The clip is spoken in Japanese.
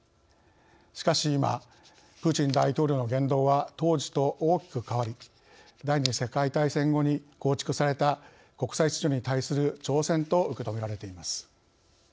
しかし、今プーチン大統領の言動は当時と大きく変わり第２次世界大戦後に構築された国際秩序に対する挑戦と受け止められています。